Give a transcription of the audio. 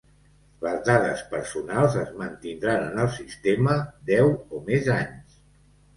Les dades personals es mantindran en el sistema deu o més anys.